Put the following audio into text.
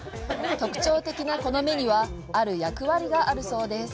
特徴的なこの目にはある役割があるそうです。